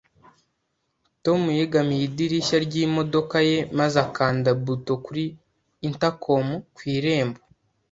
Tom yegamiye idirishya ryimodoka ye maze akanda buto kuri intercom ku irembo